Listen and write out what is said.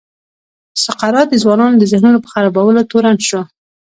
سقراط د ځوانانو د ذهنونو په خرابولو تورن شو.